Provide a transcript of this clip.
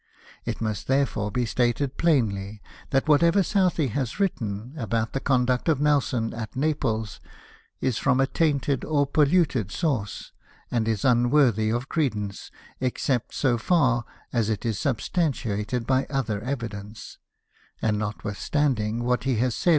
It must therefore be stated plainly that whatever Southey has written about the conduct of Nelson at Naples is from a tainted or polluted source, and is unworthy of credence, except so far as it is sub stantiated by other evidence ; and notwithstanding what he has said